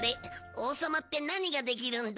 王様って何ができるんだ？